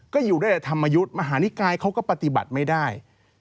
ก็อยู่ด้วยแต่ธรรมยุทธ์มหานิกายเขาก็ปฏิบัติไม่ได้